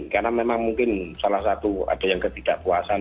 karena memang mungkin salah satu ada yang ketidakpuasaan